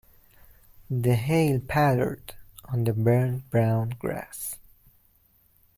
The hail pattered on the burnt brown grass.